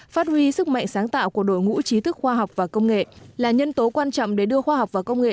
phát huy sức mạnh sáng tạo của đội ngũ trí thức khoa học và công nghệ là nhân tố quan trọng để đưa khoa học và công nghệ